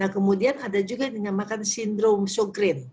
kemudian ada juga yang dinamakan sindrom socreen